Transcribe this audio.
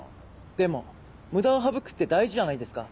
でも無駄を省くって大事じゃないですか。